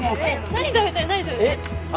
何食べたい？